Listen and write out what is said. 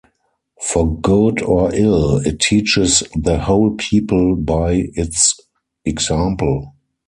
For good or ill, it teaches the whole people by its example.